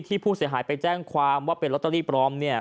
ผู้เสียหายไปแจ้งความว่าเป็นลอตเตอรี่ปลอมเนี่ย